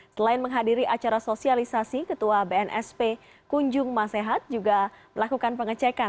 selain menghadiri acara sosialisasi ketua bnsp kunjung masehat juga melakukan pengecekan